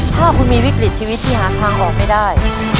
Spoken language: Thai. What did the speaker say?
ถ้าคุณมีวิกฤตชีวิตที่หาทางออกไม่ได้